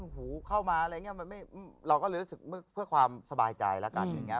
หูเข้ามาอะไรอย่างเงี้ยเราก็เลยรู้สึกเพื่อความสบายใจแล้วกัน